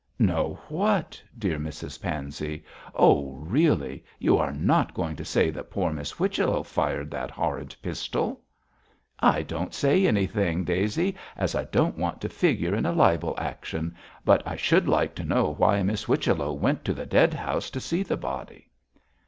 'Know what? dear Mrs Pansey. Oh, really! you are not going to say that poor Miss Whichello fired that horrid pistol.' 'I don't say anything, Daisy, as I don't want to figure in a libel action; but I should like to know why Miss Whichello went to the dead house to see the body.'